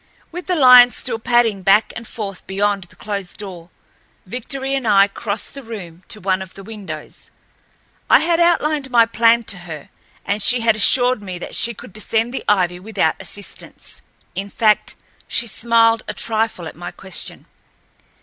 With the lions still padding back and forth beyond the closed door, Victory and I crossed the room to one of the windows. I had outlined my plan to her, and she had assured me that she could descend the ivy without assistance. In fact, she smiled a trifle at my question.